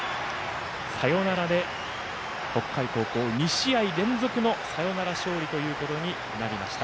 サヨナラで北海高校２試合連続のサヨナラ勝利ということになりました。